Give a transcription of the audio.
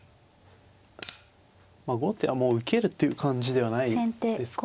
まあ後手はもう受けるっていう感じではないですからね。